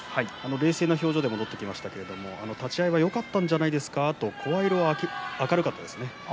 冷静な表情で戻ってきましたけれども立ち合いよかったんじゃないですかと声色は明るかったですね。